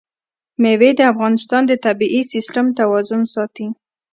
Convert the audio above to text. مېوې د افغانستان د طبعي سیسټم توازن ساتي.